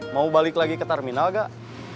mau balik lagi ke terminal gak